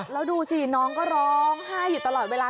แล้วดูสิน้องก็ร้องไห้อยู่ตลอดเวลา